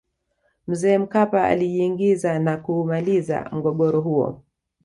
mzee mkapa alijiingiza na kuumaliza mgogoro huo